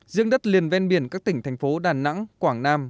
riêng đất liền ven biển các tỉnh thành phố đà nẵng quảng nam